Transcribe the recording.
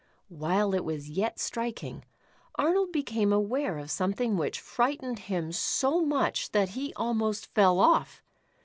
\\'hile it was yet striking, Arnold became aware of somethino^ which friorhtened him so much that he almost fell off.